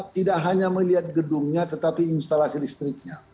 tidak hanya melihat gedungnya tetapi instalasi listriknya